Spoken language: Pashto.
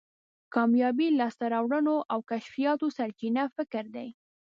کامیابی، لاسته راوړنو او کشفیاتو سرچینه فکر دی.